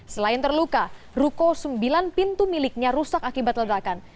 selain terluka ruko sembilan pintu miliknya rusak akibat ledakan